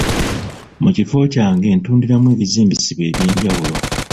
Mu kifo kyange ntundiramu ebizimbisibwa eby'enjawulo.